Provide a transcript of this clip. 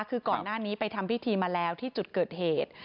คือก่อนหน้านี้ไปทำพิธีมาแล้วที่จุดเกิดเหตุ